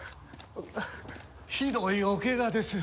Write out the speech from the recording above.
ひどいお怪我です。